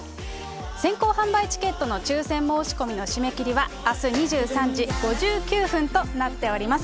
先行販売チケットの抽せん申し込みの締め切りは、あす２３時５９分となっております。